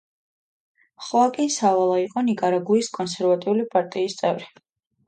ხოაკინ სავალა იყო ნიკარაგუის კონსერვატული პარტიის წევრი.